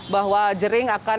bahwa jering akan